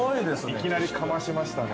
◆いきなりかましましたね。